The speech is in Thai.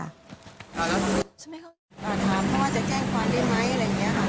ใช่ไหมเขาถามเขาว่าจะแจ้งความได้ไหมอะไรอย่างนี้ค่ะ